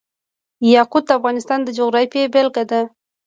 یاقوت د افغانستان د جغرافیې بېلګه ده.